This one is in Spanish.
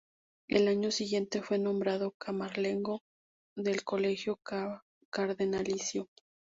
El año siguiente fue nombrado camarlengo del Colegio Cardenalicio.